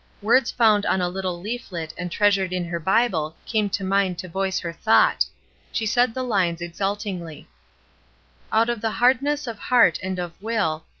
Words found on a Uttle leaBet and treasured m her 228 ESTER RIED'S NAMESAKE Bible came to mind to voice her thought; she said the lines exultingly: —" Out of the hardness of heart and of will.